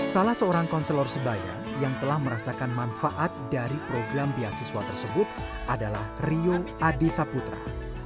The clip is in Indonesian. salah seorang konselor sebaya yang telah merasakan manfaat dari program beasiswa tersebut adalah rio adi saputra